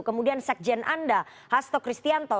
kemudian sekjen anda hasto kristianto